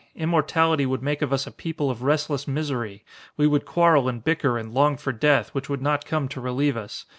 Immortality would make of us a people of restless misery. We would quarrel and bicker and long for death, which would not come to relieve us.